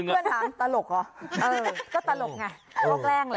เออก็ตลกไงก็แกล้งแหละ